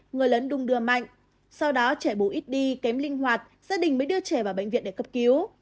người lấn đung đưa mạnh sau đó trẻ bồ ít đi kém linh hoạt gia đình mới đưa trẻ vào bệnh viện để cấp cứu